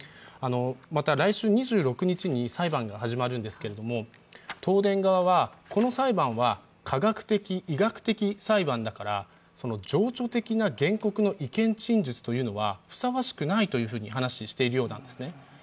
また、来週２６日に裁判が始まるんですけれども、東電側はこの裁判は科学的・医学的裁判だから、情緒的な原告の意見陳述というのはふさわしくないと話をしているようなんですね。